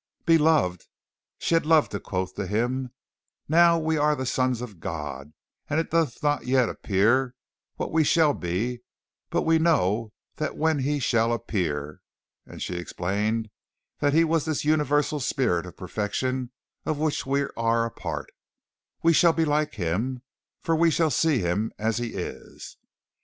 "Beloved," she loved to quote to him, "now are we the sons of God, and it doth not yet appear what we shall be, but we know that when he shall appear" (and she explained that he was this universal spirit of perfection of which we are a part) "we shall be like him; for we shall see him as He is."